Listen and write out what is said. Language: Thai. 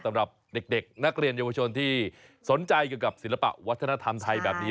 สำหรับเด็กนักเรียนเยาวชนที่สนใจเกี่ยวกับศิลปะวัฒนธรรมไทยแบบนี้